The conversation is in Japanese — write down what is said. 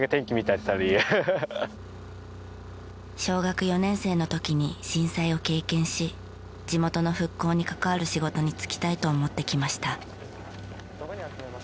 小学４年生の時に震災を経験し地元の復興に関わる仕事に就きたいと思ってきました。